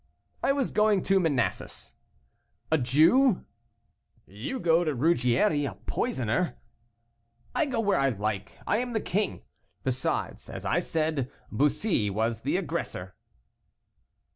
"I was going to Manasses." "A Jew?" "You go to Ruggieri, a poisoner." "I go where I like: I am the king. Besides, as I said, Bussy was the aggressor."